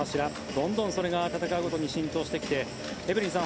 どんどんそれが戦うごとに浸透してきてエブリンさん